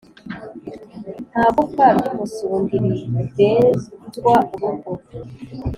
nta gufwa ry’umusundi rirenzwa urugo.